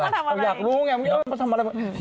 จะถามได้ยังไงว่าเขาทำอะไร